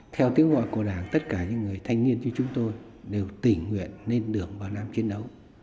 theo tiếng gọi của đảng tất cả những người thanh niên như chúng tôi đều tình nguyện lên đường vào nam chiến đấu